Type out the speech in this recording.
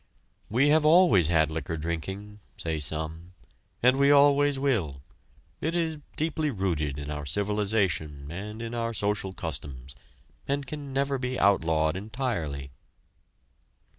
"We have always had liquor drinking," say some, "and we always will. It is deeply rooted in our civilization and in our social customs, and can never be outlawed entirely."